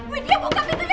widya buka pintunya widya